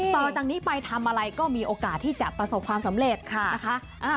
ต่อจากนี้ไปทำอะไรก็มีโอกาสที่จะประสบความสำเร็จนะคะ